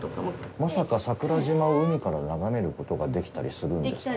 まさか、桜島を海から眺めることができたりするんですかね。